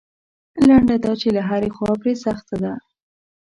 لنډه دا چې له هرې خوا پرې سخته ده.